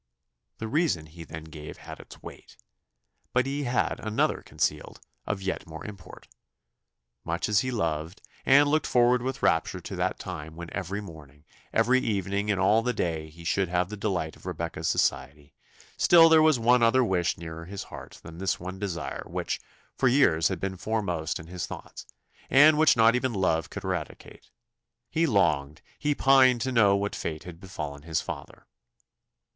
The reason he then gave had its weight; but he had another concealed, of yet more import. Much as he loved, and looked forward with rapture to that time when every morning, every evening, and all the day, he should have the delight of Rebecca's society, still there was one other wish nearer his heart than this one desire which for years had been foremost in his thoughts, and which not even love could eradicate. He longed, he pined to know what fate had befallen his father.